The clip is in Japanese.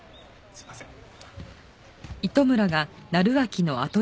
すいません。